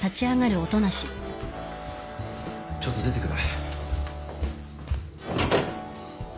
ちょっと出てくる。